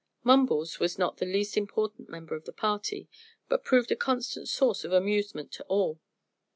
Mumbles was not the least important member of the party, but proved a constant source of amusement to all.